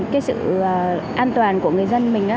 cái sự an toàn của người dân mình